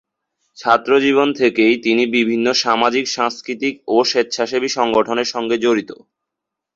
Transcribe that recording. ছাত্রজীবন থেকেই তিনি বিভিন্ন সামাজিক, সাংস্কৃতিক ও স্বেচ্ছাসেবী সংগঠনের সঙ্গে জড়িত।